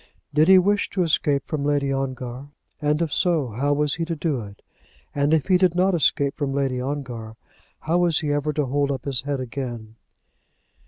Did he wish to escape from Lady Ongar; and if so, how was he to do it? And if he did not escape from Lady Ongar, how was he ever to hold up his head again?